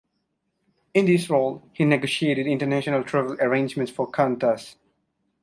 In this role he negotiated international travel arrangements for Qantas.